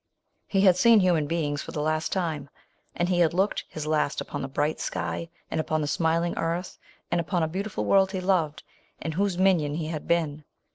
He had seen human Beings for the last time ! And he had looked, his last upon the bright sky, and upon the smiling earth, and upon a beautiful world he loved, and whose minion he had been